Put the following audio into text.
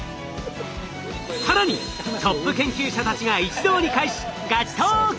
更にトップ研究者たちが一堂に会しガチトーク！